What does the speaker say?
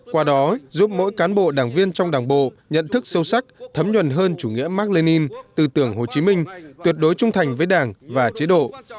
qua đó giúp mỗi cán bộ đảng viên trong đảng bộ nhận thức sâu sắc thấm nhuần hơn chủ nghĩa mark lenin tư tưởng hồ chí minh tuyệt đối trung thành với đảng và chế độ